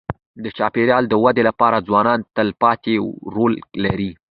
د چاپېریال د ودې لپاره ځوانان تلپاتې رول لري.